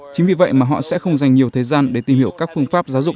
chính vì vậy mà họ sẽ không dành nhiều thời gian để tìm hiểu các phương pháp giáo dục